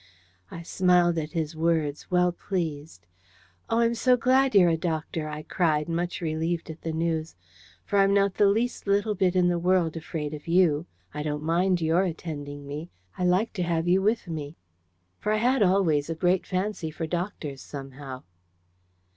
I smiled at his words, well pleased. "Oh, I'm so glad you're a doctor!" I cried, much relieved at the news; "for I'm not the least little bit in the world afraid of YOU. I don't mind your attending me. I like to have you with me." For I had always a great fancy for doctors, somehow.